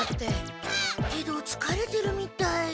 けどつかれてるみたい。